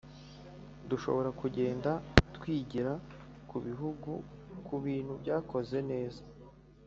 Dushobora kugenda twigira ku bihugu ku bintu byakoze neza